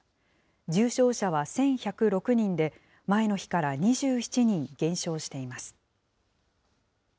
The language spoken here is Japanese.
重症者は１１０６人で、前の日から２７人減少しています。